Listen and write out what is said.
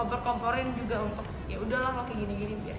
kompor komporin juga untuk ya udahlah gue kayak gini gini